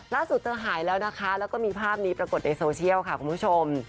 เธอหายแล้วนะคะแล้วก็มีภาพนี้ปรากฏในโซเชียลค่ะคุณผู้ชม